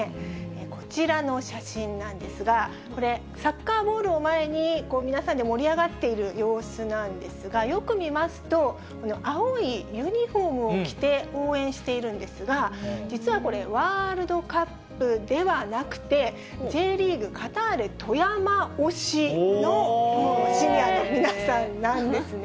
こちらの写真なんですが、これ、サッカーボールを前に皆さんで盛り上がっている様子なんですが、よく見ますと、青いユニホームを着て応援しているんですが、実はこれ、ワールドカップではなくて、Ｊリーグ・カターレ富山推しの、シニアの皆さんなんですね。